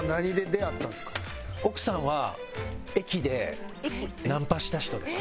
奥さんは駅でナンパした人です。